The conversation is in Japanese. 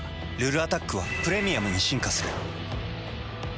「ルルアタック」は「プレミアム」に進化する。